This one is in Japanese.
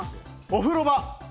お風呂場。